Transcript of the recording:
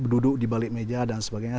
duduk di balik meja dan sebagainya